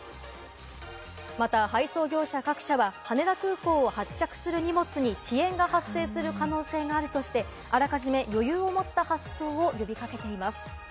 また配送業者各社は、羽田空港を発着する荷物に遅延が発生する可能性があるとして、あらかじめ余裕を持った発送を呼び掛けています。